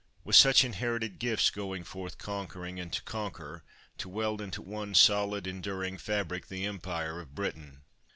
With such inherited gifts, going forth conquering, and to conquer, to weld into one solid, enduring fabric, the Empire of Britain.